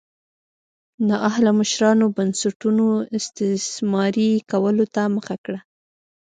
نااهله مشرانو بنسټونو استثماري کولو ته مخه کړه.